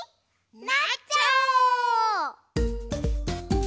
なっちゃおう！